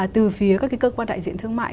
từ phía các cơ quan đại diện thương mại